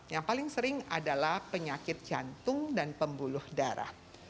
yang paling sering adalah penyakit jantung dan pembuluh darah